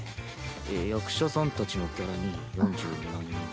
ええ役者さんたちのギャラに４２万円。